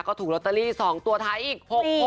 ก็ถูกลอตเตอรี่๒ตัวท้ายอีก๖๖